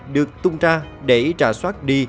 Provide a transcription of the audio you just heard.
được tung ra để trả soát đi